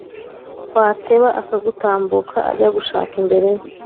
wateba akagutambuka ajya gushaka imbere ye.